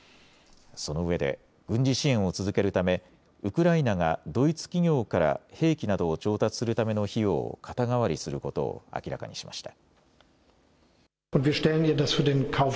そのうえで軍事支援を続けるためウクライナがドイツ企業から兵器などを調達するための費用を肩代わりすることを明らかにしました。